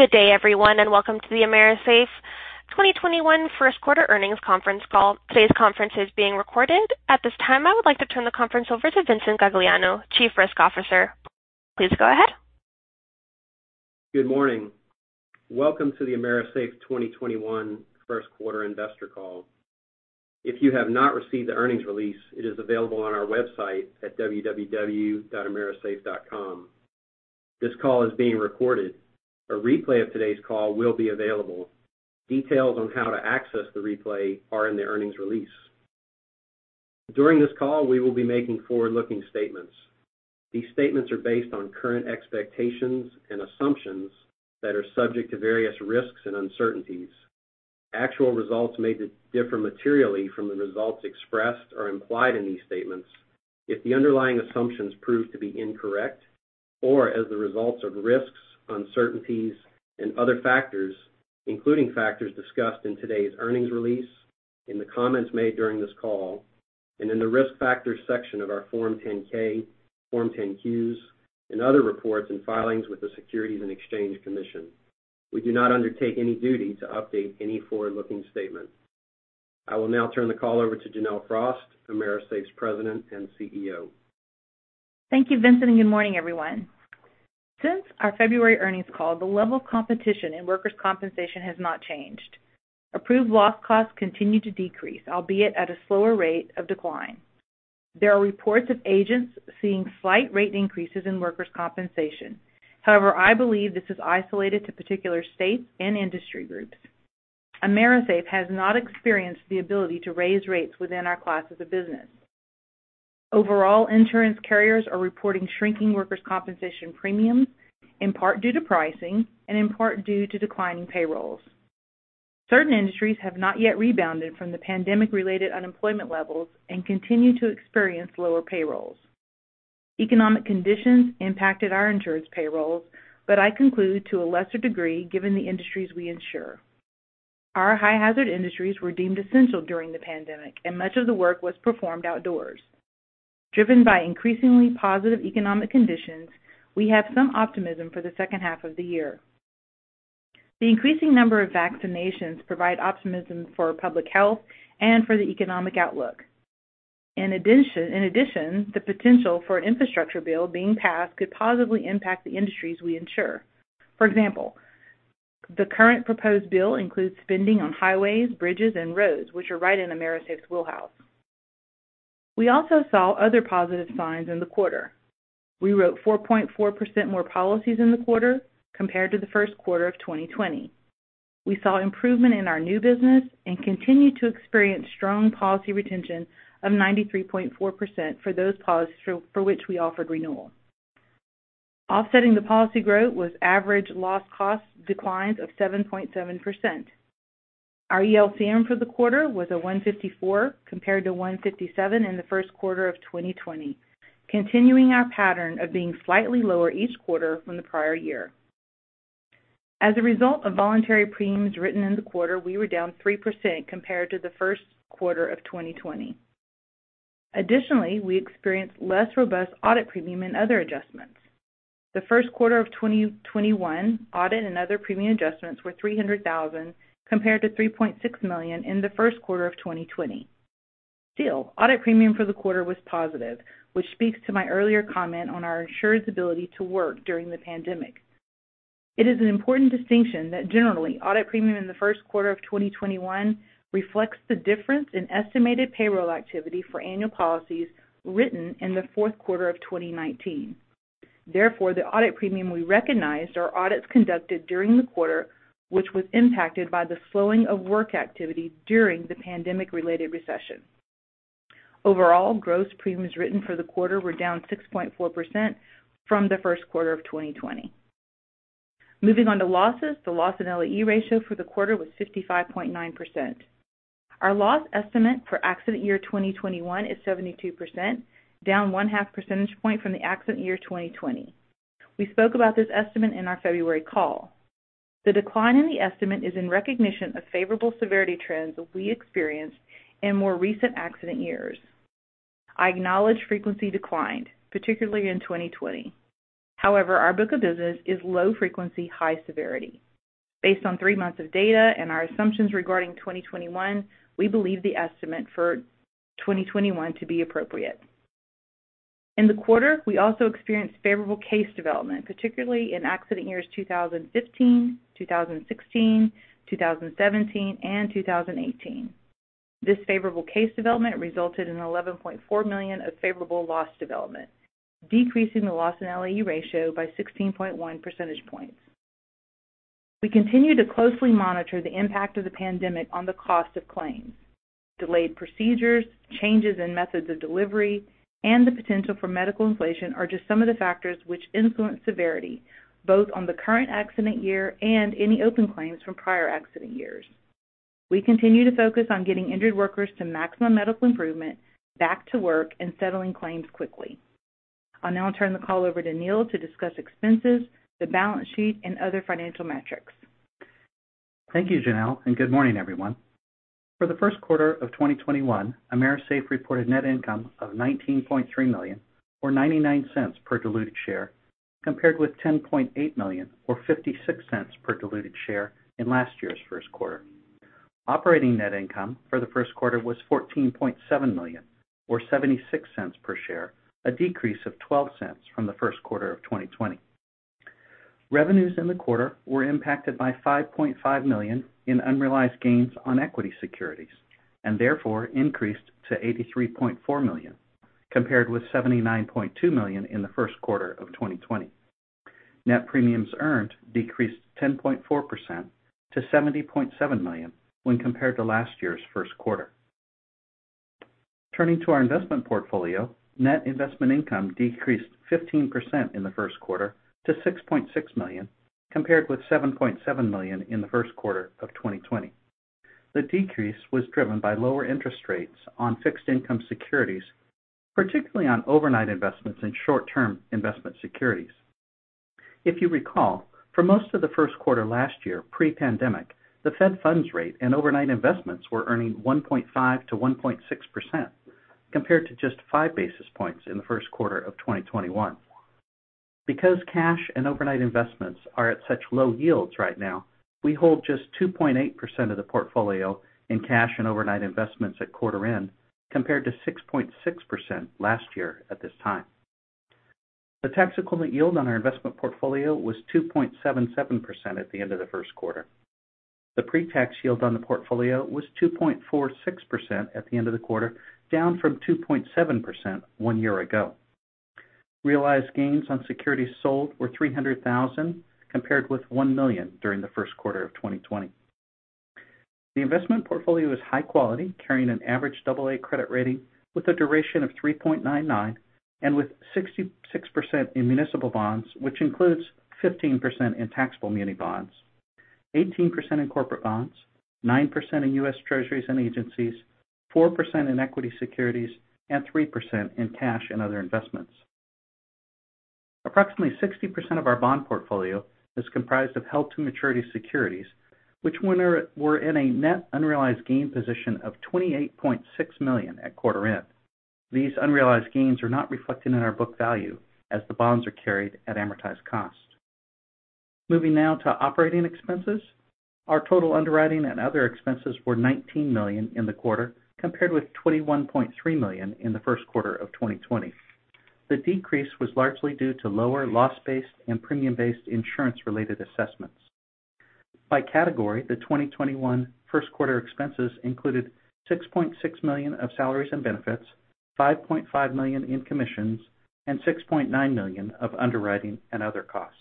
Good day, everyone, and welcome to the AMERISAFE 2021 first quarter earnings conference call. Today's conference is being recorded. At this time, I would like to turn the conference over to Vincent Gagliano, Chief Risk Officer. Please go ahead. Good morning. Welcome to the AMERISAFE 2021 first quarter investor call. If you have not received the earnings release, it is available on our website at www.amerisafe.com. This call is being recorded. A replay of today's call will be available. Details on how to access the replay are in the earnings release. During this call, we will be making forward-looking statements. These statements are based on current expectations and assumptions that are subject to various risks and uncertainties. Actual results may differ materially from the results expressed or implied in these statements if the underlying assumptions prove to be incorrect or as a result of risks, uncertainties, and other factors, including factors discussed in today's earnings release, in the comments made during this call, and in the Risk Factors section of our Form 10-K, Form 10-Qs, and other reports and filings with the Securities and Exchange Commission. We do not undertake any duty to update any forward-looking statement. I will now turn the call over to Janelle Frost, AMERISAFE's President and CEO. Thank you, Vincent, and good morning, everyone. Since our February earnings call, the level of competition in workers' compensation has not changed. Approved loss costs continue to decrease, albeit at a slower rate of decline. There are reports of agents seeing slight rate increases in workers' compensation. However, I believe this is isolated to particular states and industry groups. AMERISAFE has not experienced the ability to raise rates within our classes of business. Overall, insurance carriers are reporting shrinking workers' compensation premiums, in part due to pricing and in part due to declining payrolls. Certain industries have not yet rebounded from the pandemic-related unemployment levels and continue to experience lower payrolls. Economic conditions impacted our insured's payrolls, but I conclude to a lesser degree given the industries we insure. Our high-hazard industries were deemed essential during the pandemic, and much of the work was performed outdoors. Driven by increasingly positive economic conditions, we have some optimism for the second half of the year. The increasing number of vaccinations provide optimism for public health and for the economic outlook. In addition, the potential for an infrastructure bill being passed could positively impact the industries we insure. For example, the current proposed bill includes spending on highways, bridges, and roads, which are right in AMERISAFE's wheelhouse. We also saw other positive signs in the quarter. We wrote 4.4% more policies in the quarter compared to the first quarter of 2020. We saw improvement in our new business and continued to experience strong policy retention of 93.4% for those policies for which we offered renewal. Offsetting the policy growth was average loss cost declines of 7.7%. Our ELCM for the quarter was a 154, compared to 157 in the first quarter of 2020, continuing our pattern of being slightly lower each quarter from the prior year. As a result of voluntary premiums written in the quarter, we were down 3% compared to the first quarter of 2020. Additionally, we experienced less robust audit premium and other adjustments. The first quarter of 2021 audit and other premium adjustments were $300,000 compared to $3.6 million in the first quarter of 2020. Still, audit premium for the quarter was positive, which speaks to my earlier comment on our insured's ability to work during the pandemic. It is an important distinction that generally, audit premium in the first quarter of 2021 reflects the difference in estimated payroll activity for annual policies written in the fourth quarter of 2019. Therefore, the audit premium we recognized are audits conducted during the quarter, which was impacted by the slowing of work activity during the pandemic-related recession. Overall, gross premiums written for the quarter were down 6.4% from the first quarter of 2020. Moving on to losses, the loss and LE ratio for the quarter was 55.9%. Our loss estimate for accident year 2021 is 72%, down one half percentage point from the accident year 2020. We spoke about this estimate in our February call. The decline in the estimate is in recognition of favorable severity trends that we experienced in more recent accident years. I acknowledge frequency declined, particularly in 2020. However, our book of business is low frequency, high severity. Based on three months of data and our assumptions regarding 2021, we believe the estimate for 2021 to be appropriate. In the quarter, we also experienced favorable case development, particularly in accident years 2015, 2016, 2017, and 2018. This favorable case development resulted in $11.4 million of favorable loss development, decreasing the loss in LE ratio by 16.1 percentage points. We continue to closely monitor the impact of the pandemic on the cost of claims. Delayed procedures, changes in methods of delivery, and the potential for medical inflation are just some of the factors which influence severity, both on the current accident year and any open claims from prior accident years. We continue to focus on getting injured workers to maximum medical improvement, back to work, and settling claims quickly. I'll now turn the call over to Neal to discuss expenses, the balance sheet, and other financial metrics. Good morning, everyone. For the first quarter of 2021, AMERISAFE reported net income of $19.3 million, or $0.99 per diluted share, compared with $10.8 million, or $0.56 per diluted share in last year's first quarter. Operating net income for the first quarter was $14.7 million, or $0.76 per share, a decrease of $0.12 from the first quarter of 2020. Revenues in the quarter were impacted by $5.5 million in unrealized gains on equity securities, and therefore increased to $83.4 million, compared with $79.2 million in the first quarter of 2020. Net premiums earned decreased 10.4% to $70.7 million when compared to last year's first quarter. Turning to our investment portfolio, net investment income decreased 15% in the first quarter to $6.6 million, compared with $7.7 million in the first quarter of 2020. The decrease was driven by lower interest rates on fixed income securities, particularly on overnight investments in short-term investment securities. If you recall, for most of the first quarter last year, pre-pandemic, the Fed funds rate and overnight investments were earning 1.5%-1.6%, compared to just five basis points in the first quarter of 2021. Because cash and overnight investments are at such low yields right now, we hold just 2.8% of the portfolio in cash and overnight investments at quarter end, compared to 6.6% last year at this time. The tax-equivalent yield on our investment portfolio was 2.77% at the end of the first quarter. The pre-tax yield on the portfolio was 2.46% at the end of the quarter, down from 2.7% one year ago. Realized gains on securities sold were $300,000, compared with $1 million during the first quarter of 2020. The investment portfolio is high quality, carrying an average double A credit rating with a duration of 3.99 and with 66% in municipal bonds, which includes 15% in taxable muni bonds, 18% in corporate bonds, 9% in U.S. Treasuries and agencies, 4% in equity securities, and 3% in cash and other investments. Approximately 60% of our bond portfolio is comprised of held-to-maturity securities, which were in a net unrealized gain position of $28.6 million at quarter end. These unrealized gains are not reflected in our book value as the bonds are carried at amortized cost. Moving now to operating expenses. Our total underwriting and other expenses were $19 million in the quarter, compared with $21.3 million in the first quarter of 2020. The decrease was largely due to lower loss-based and premium-based insurance-related assessments. By category, the 2021 first quarter expenses included $6.6 million of salaries and benefits, $5.5 million in commissions, and $6.9 million of underwriting and other costs.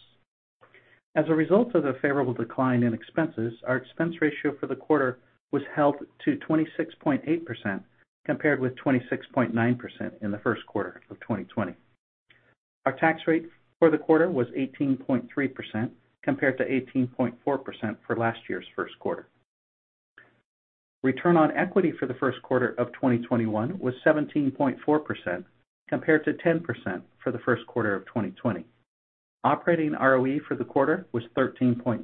As a result of the favorable decline in expenses, our expense ratio for the quarter was held to 26.8%, compared with 26.9% in the first quarter of 2020. Our tax rate for the quarter was 18.3%, compared to 18.4% for last year's first quarter. Return on equity for the first quarter of 2021 was 17.4%, compared to 10% for the first quarter of 2020. Operating ROE for the quarter was 13.9%.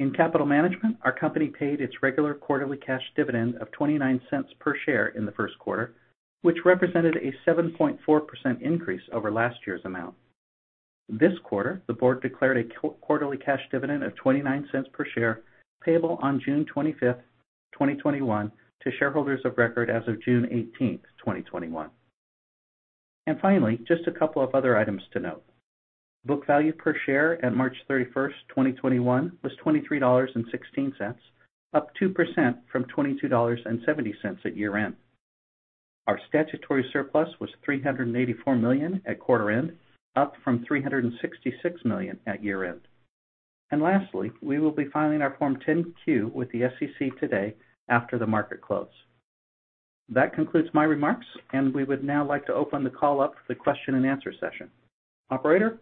In capital management, our company paid its regular quarterly cash dividend of $0.29 per share in the first quarter, which represented a 7.4% increase over last year's amount. This quarter, the board declared a quarterly cash dividend of $0.29 per share, payable on June 25th, 2021, to shareholders of record as of June 18th, 2021. Finally, just a couple of other items to note. Book value per share at March 31st, 2021, was $23.16, up 2% from $22.70 at year-end. Our statutory surplus was $384 million at quarter end, up from $366 million at year-end. Lastly, we will be filing our Form 10-Q with the SEC today after the market close. That concludes my remarks, and we would now like to open the call up for the question and answer session. Operator?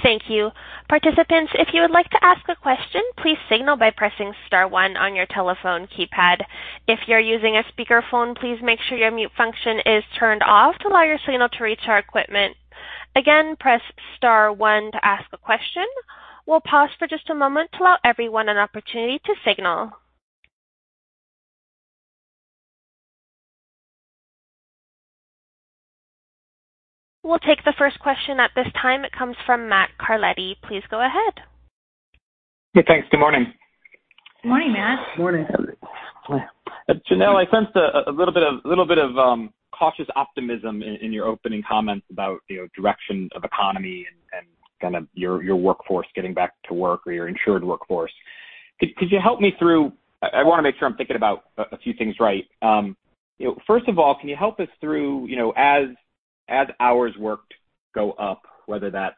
Thank you. Participants, if you would like to ask a question, please signal by pressing star one on your telephone keypad. If you're using a speakerphone, please make sure your mute function is turned off to allow your signal to reach our equipment. Again, press star one to ask a question. We'll pause for just a moment to allow everyone an opportunity to signal. We'll take the first question at this time. It comes from Matthew Carletti. Please go ahead. Hey, thanks. Good morning. Morning, Matt. Morning. Janelle, I sensed a little bit of cautious optimism in your opening comments about direction of economy and kind of your workforce getting back to work or your insured workforce. Could you help me through I want to make sure I'm thinking about a few things right. First of all, can you help us through as hours worked go up, whether that's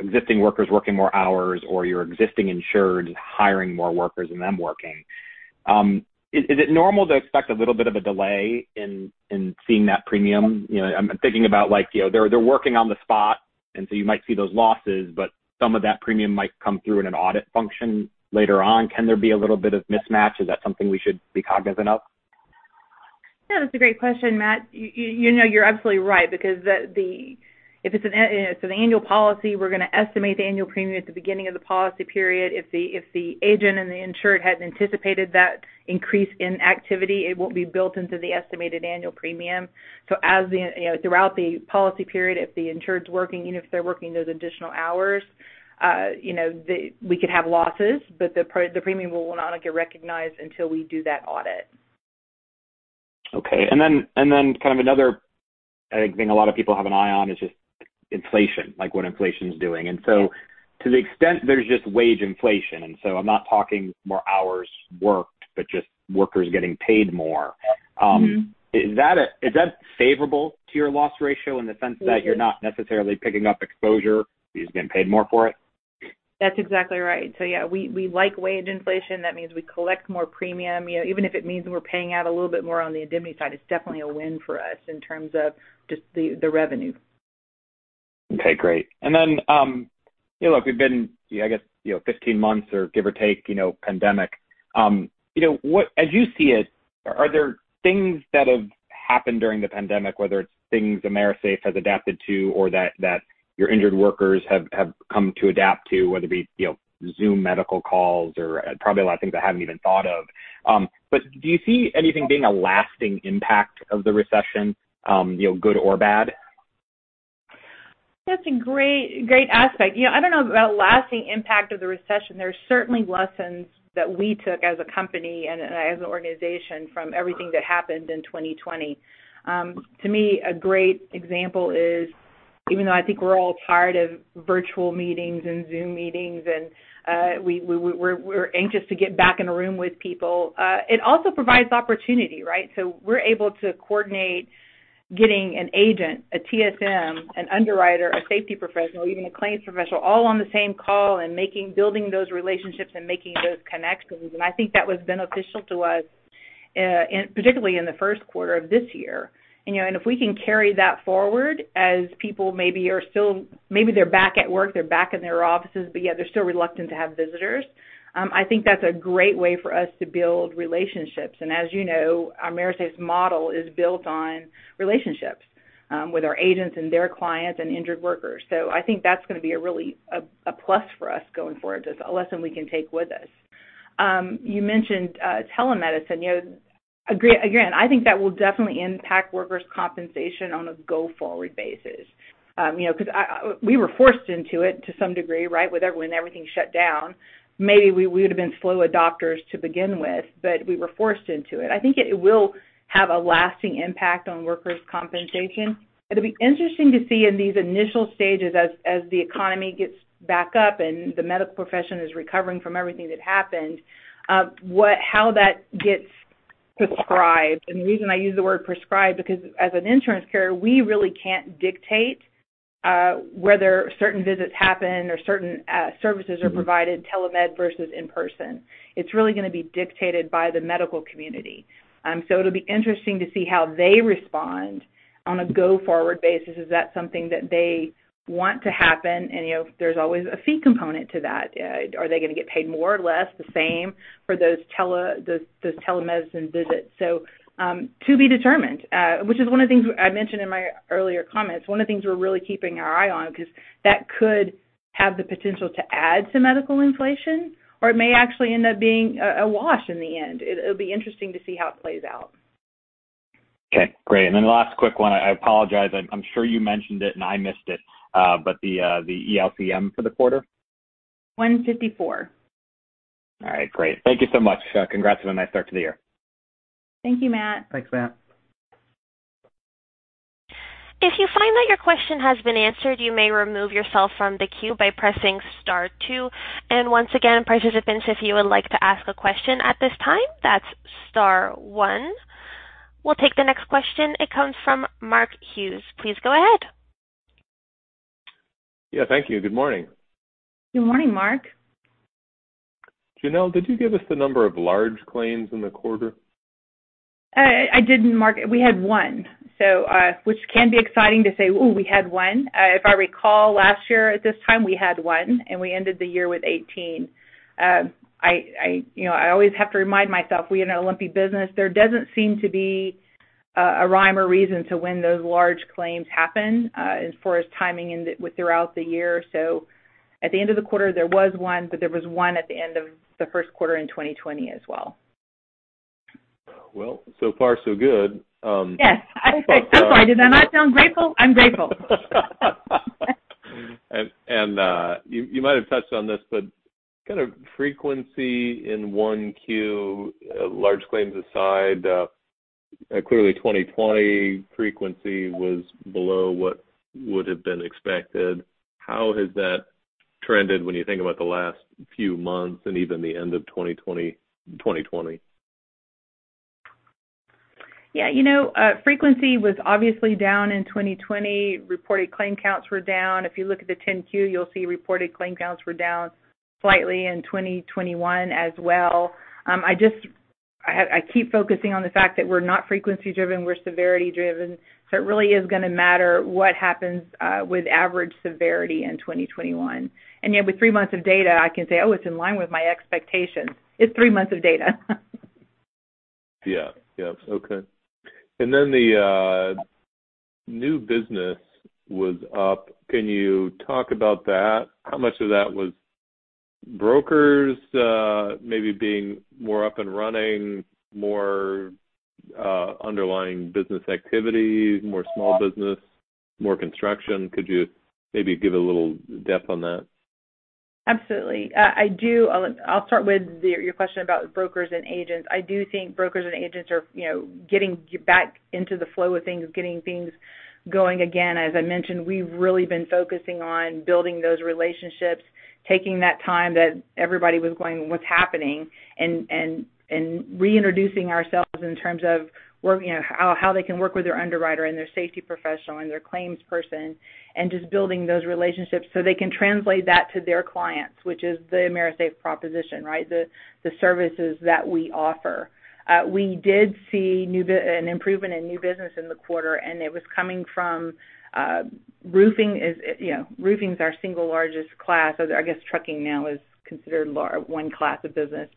existing workers working more hours or your existing insured hiring more workers and them working, is it normal to expect a little bit of a delay in seeing that premium? I'm thinking about like they're working on the spot, you might see those losses, some of that premium might come through in an audit function later on. Can there be a little bit of mismatch? Is that something we should be cognizant of? Yeah, that's a great question, Matt. You're absolutely right because if it's an annual policy, we're going to estimate the annual premium at the beginning of the policy period. If the agent and the insured hadn't anticipated that increase in activity, it won't be built into the estimated annual premium. Throughout the policy period, if the insured's working, even if they're working those additional hours, we could have losses, the premium will not get recognized until we do that audit. Okay. Another thing a lot of people have an eye on is just inflation, like what inflation's doing. To the extent there's just wage inflation, I'm not talking more hours worked, just workers getting paid more. Is that favorable to your loss ratio in the sense that you're not necessarily picking up exposure, he's getting paid more for it? That's exactly right. Yeah, we like wage inflation. That means we collect more premium. Even if it means that we're paying out a little bit more on the indemnity side, it's definitely a win for us in terms of just the revenue. Okay, great. Then, we've been, I guess, 15 months or give or take, pandemic. As you see it, are there things that have happened during the pandemic, whether it's things AMERISAFE has adapted to, or that your injured workers have come to adapt to, whether it be Zoom medical calls or probably a lot of things I haven't even thought of. Do you see anything being a lasting impact of the recession, good or bad? That's a great aspect. I don't know about lasting impact of the recession. There are certainly lessons that we took as a company and as an organization from everything that happened in 2020. To me, a great example is even though I think we're all tired of virtual meetings and Zoom meetings, we're anxious to get back in a room with people, it also provides opportunity, right? We're able to coordinate getting an agent, a TSM, an underwriter, a safety professional, even a claims professional, all on the same call and building those relationships and making those connections. I think that was beneficial to us, particularly in the first quarter of this year. If we can carry that forward as people maybe they're back at work, they're back in their offices, but yet they're still reluctant to have visitors. I think that's a great way for us to build relationships. As you know, AMERISAFE's model is built on relationships with our agents and their clients and injured workers. I think that's going to be a really a plus for us going forward. Just a lesson we can take with us. You mentioned telemedicine. Again, I think that will definitely impact workers' compensation on a go-forward basis. We were forced into it to some degree, right? When everything shut down. Maybe we would've been slow adopters to begin with, we were forced into it. I think it will have a lasting impact on workers' compensation. It'll be interesting to see in these initial stages as the economy gets back up and the medical profession is recovering from everything that happened, how that gets prescribed. The reason I use the word prescribed, because as an insurance carrier, we really can't dictate whether certain visits happen or certain services are provided, telemed versus in-person. It's really going to be dictated by the medical community. It'll be interesting to see how they respond on a go forward basis. Is that something that they want to happen? There's always a fee component to that. Are they going to get paid more or less the same for those telemedicine visits? To be determined, which is one of the things I mentioned in my earlier comments, one of the things we're really keeping our eye on, because that could have the potential to add to medical inflation, or it may actually end up being a wash in the end. It'll be interesting to see how it plays out. Okay, great. Last quick one. I apologize, I'm sure you mentioned it and I missed it, but the ELCM for the quarter? 154. All right, great. Thank you so much. Congrats on a nice start to the year. Thank you, Matt. Thanks, Matt. If you find that your question has been answered, you may remove yourself from the queue by pressing star two. Once again, participants, if you would like to ask a question at this time, that's star one. We'll take the next question. It comes from Mark Hughes. Please go ahead. Yeah, thank you. Good morning. Good morning, Mark. Janelle, did you give us the number of large claims in the quarter? I didn't, Mark. We had one, which can be exciting to say, ooh, we had one. If I recall last year at this time, we had one, and we ended the year with 18. I always have to remind myself, we are in a lumpy business. There doesn't seem to be a rhyme or reason to when those large claims happen as far as timing throughout the year. At the end of the quarter, there was one, but there was one at the end of the first quarter in 2020 as well. So far so good. Yes. I'm sorry, did I not sound grateful? I'm grateful. You might have touched on this, but kind of frequency in 1Q, large claims aside, clearly 2020 frequency was below what would've been expected. How has that trended when you think about the last few months and even the end of 2020? Yeah. Frequency was obviously down in 2020. Reported claim counts were down. If you look at the 10-Q, you'll see reported claim counts were down slightly in 2021 as well. I keep focusing on the fact that we're not frequency driven, we're severity driven, so it really is going to matter what happens with average severity in 2021. Yet with three months of data, I can say, oh, it's in line with my expectations. It's three months of data. Yeah. Okay. Then the new business was up. Can you talk about that? How much of that was brokers maybe being more up and running, more underlying business activity, more small business, more construction? Could you maybe give a little depth on that? Absolutely. I'll start with your question about brokers and agents. I do think brokers and agents are getting back into the flow of things, getting things going again. As I mentioned, we've really been focusing on building those relationships, taking that time that everybody was going, "What's happening?" And reintroducing ourselves in terms of how they can work with their underwriter and their safety professional and their claims person, and just building those relationships so they can translate that to their clients, which is the AMERISAFE proposition, right? The services that we offer. We did see an improvement in new business in the quarter, and it was coming from roofing. Roofing is our single largest class. I guess trucking now is considered one class of business.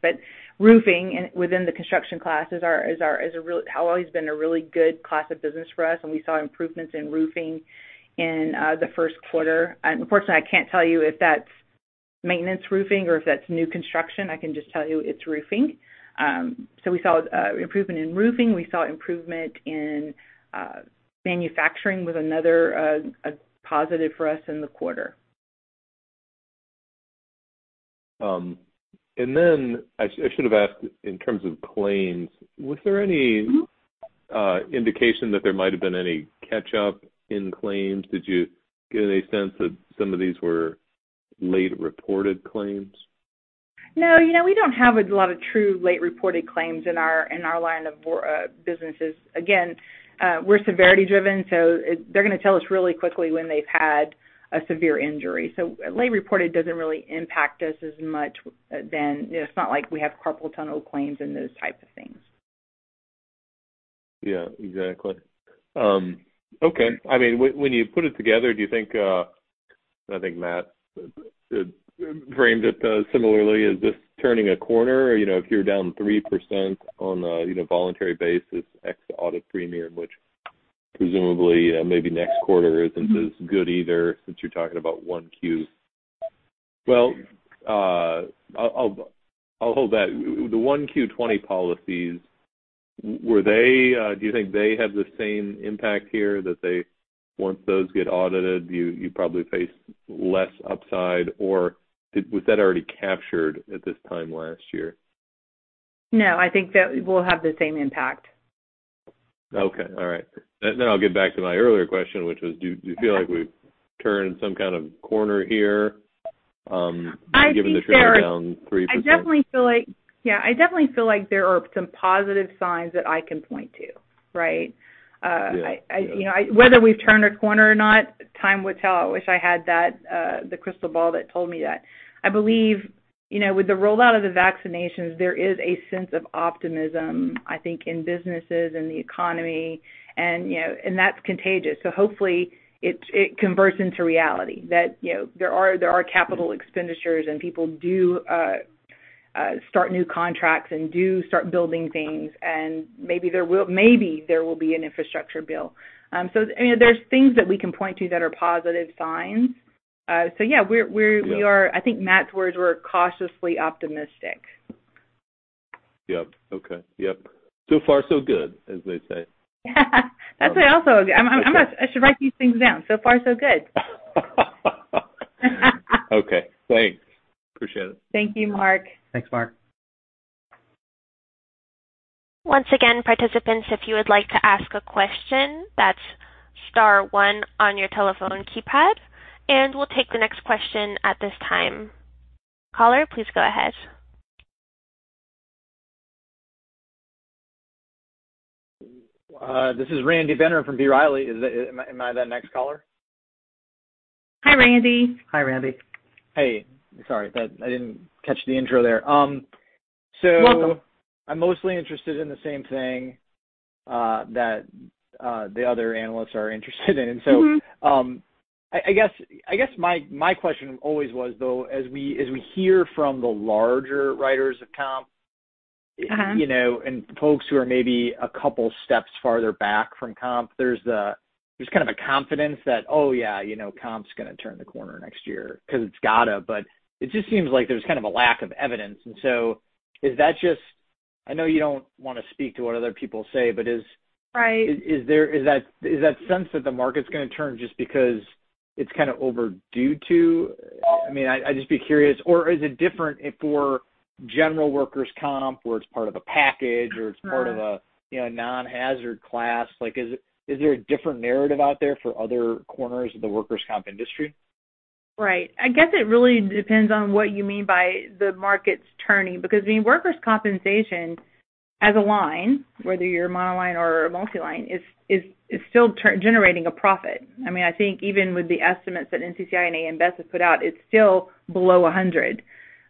roofing, within the construction class, has always been a really good class of business for us, and we saw improvements in roofing in the first quarter. Unfortunately, I can't tell you if that's maintenance roofing or if that's new construction. I can just tell you it's roofing. We saw improvement in roofing. We saw improvement in manufacturing, was another positive for us in the quarter. I should have asked in terms of claims, was there any indication that there might have been any catch-up in claims? Did you get any sense that some of these were late-reported claims? No, we don't have a lot of true late-reported claims in our line of businesses. Again, we're severity-driven, so they're going to tell us really quickly when they've had a severe injury. Late reported doesn't really impact us as much then. It's not like we have carpal tunnel claims and those types of things. Yeah, exactly. Okay. When you put it together, do you think, and I think Matt framed it similarly, is this turning a corner? If you're down 3% on a voluntary basis, ex audit premium, which presumably maybe next quarter isn't as good either, since you're talking about 1Q. Well, I'll hold that. The 1Q20 policies, do you think they have the same impact here that they, once those get audited, you probably face less upside, or was that already captured at this time last year? No, I think that will have the same impact. Okay. All right. I'll get back to my earlier question, which was, do you feel like we've turned some kind of corner here given the trend down 3%? Yeah, I definitely feel like there are some positive signs that I can point to, right? Yeah. Whether we've turned a corner or not, time will tell. I wish I had the crystal ball that told me that. I believe, with the rollout of the vaccinations, there is a sense of optimism, I think, in businesses and the economy, and that's contagious. Hopefully it converts into reality that there are capital expenditures and people do start new contracts and do start building things, and maybe there will be an infrastructure bill. There's things that we can point to that are positive signs. Yeah, I think Matt's words were cautiously optimistic. Yep. Okay. So far so good, as they say. That's what also I should write these things down. So far so good. Okay. Thanks. Appreciate it. Thank you, Mark. Thanks, Mark. Once again, participants, if you would like to ask a question, that's star one on your telephone keypad, and we'll take the next question at this time. Caller, please go ahead. This is Randy Binner from B. Riley. Am I that next caller? Hi, Randy. Hi, Randy. Hey. Sorry. I didn't catch the intro there. Welcome. I'm mostly interested in the same thing that the other analysts are interested in. I guess my question always was though, as we hear from the larger writers of comp-. folks who are maybe a couple steps farther back from comp, there's kind of a confidence that, oh, yeah comp's going to turn the corner next year because it's got to. It just seems like there's kind of a lack of evidence. I know you don't want to speak to what other people say. Right Is that sense that the market's going to turn just because it's kind of overdue to? I'd just be curious. Is it different for general workers' comp, where it's part of a package or it's part of a non-hazard class? Is there a different narrative out there for other corners of the workers' comp industry? Right. I guess it really depends on what you mean by the markets turning, because workers' compensation as a line, whether you're monoline or a multiline, is still generating a profit. I think even with the estimates that NCCI and AM Best have put out, it's still below 100.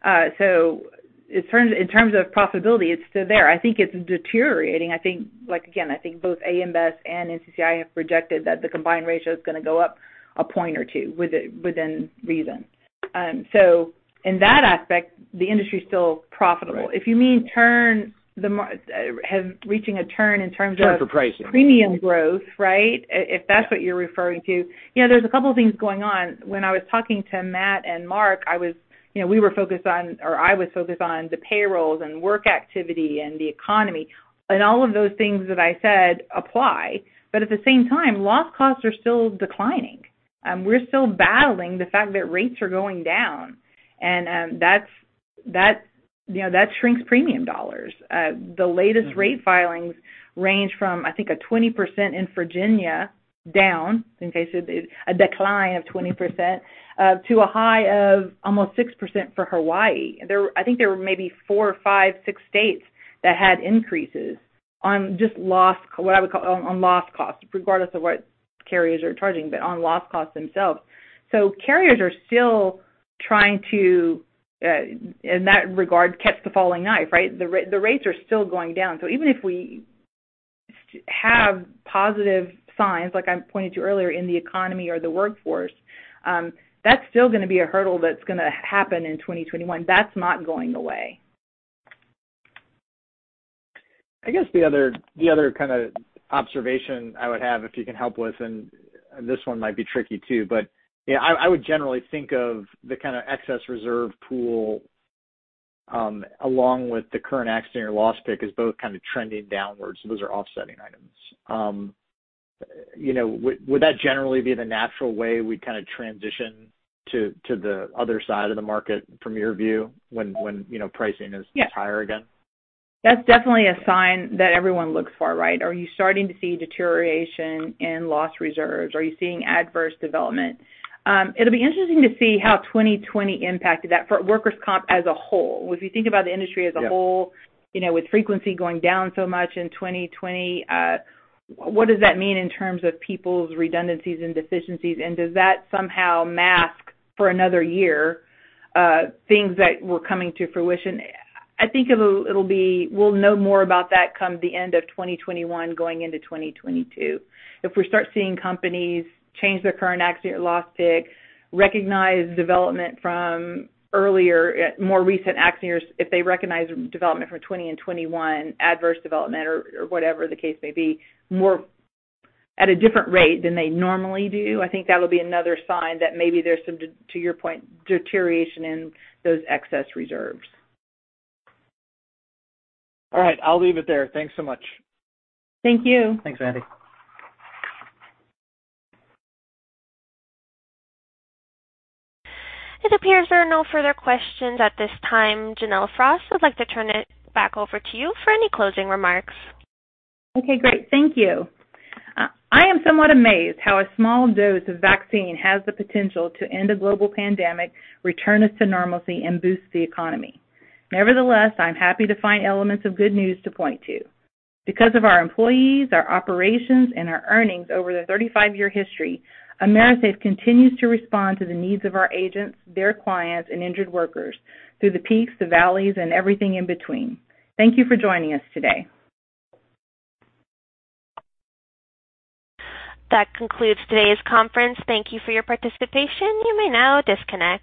In terms of profitability, it's still there. I think it's deteriorating. Again, I think both AM Best and NCCI have projected that the combined ratio is going to go up a point or two within reason. In that aspect, the industry's still profitable. Right. If you mean reaching a turn in terms of. Turn for pricing premium growth, right? If that's what you're referring to. There's a couple of things going on. When I was talking to Matt and Mark, we were focused on, or I was focused on the payrolls and work activity and the economy, and all of those things that I said apply, but at the same time, loss costs are still declining. We're still battling the fact that rates are going down, and that shrinks premium dollars. The latest rate filings range from, I think, a 20% in Virginia down, in case it a decline of 20%, to a high of almost 6% for Hawaii. I think there were maybe four or five, six states that had increases on just what I would call on loss cost, regardless of what carriers are charging, but on loss costs themselves. Carriers are still trying to, in that regard, catch the falling knife, right? The rates are still going down. Even if we have positive signs, like I pointed to earlier in the economy or the workforce, that's still going to be a hurdle that's going to happen in 2021. That's not going away. I guess the other kind of observation I would have, if you can help with. This one might be tricky too, I would generally think of the kind of excess reserve pool, along with the current accident year loss pick as both kind of trending downwards. Those are offsetting items. Would that generally be the natural way we kind of transition to the other side of the market from your view when pricing is. Yes higher again? That's definitely a sign that everyone looks for, right? Are you starting to see deterioration in loss reserves? Are you seeing adverse development? It'll be interesting to see how 2020 impacted that for workers' comp as a whole. If you think about the industry as a whole- Yeah with frequency going down so much in 2020, what does that mean in terms of people's redundancies and deficiencies? Does that somehow mask for another year things that were coming to fruition? I think we'll know more about that come the end of 2021, going into 2022. If we start seeing companies change their current accident year loss pick, recognize development from earlier, more recent accident years, if they recognize development from 2020 and 2021, adverse development or whatever the case may be, at a different rate than they normally do, I think that'll be another sign that maybe there's some, to your point, deterioration in those excess reserves. All right. I'll leave it there. Thanks so much. Thank you. Thanks, Randy. It appears there are no further questions at this time. Janelle Frost, I'd like to turn it back over to you for any closing remarks. Okay, great. Thank you. I am somewhat amazed how a small dose of vaccine has the potential to end a global pandemic, return us to normalcy, and boost the economy. Nevertheless, I am happy to find elements of good news to point to. Because of our employees, our operations, and our earnings over the 35-year history, AMERISAFE continues to respond to the needs of our agents, their clients, and injured workers through the peaks, the valleys, and everything in between. Thank you for joining us today. That concludes today's conference. Thank you for your participation. You may now disconnect.